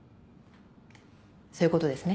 そういうことですね。